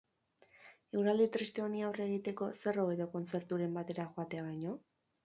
Eguraldi triste honi aurre egiteko zer hobeto kontzerturen batera joatea baino?